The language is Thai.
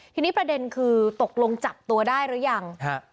ทีนี้ประเด็นคือตกลงจับตัวได้หรือยัง